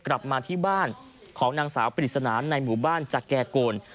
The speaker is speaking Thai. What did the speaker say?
กลับมาที่บ้านของนางสาวปริศนาในหมู่บ้านจากแก่โกน